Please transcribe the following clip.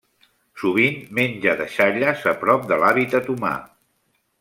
Sovint menja deixalles a prop de l'hàbitat humà.